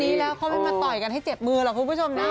รุ่นนี้แล้วเขาไม่มาต่อยกันให้เจ็บมือเหรอครับคุณผู้ชมน้ำ